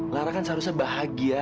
lara kan seharusnya bahagia